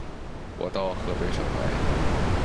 我到河北省来